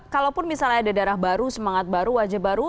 kalaupun misalnya ada darah baru semangat baru wajah baru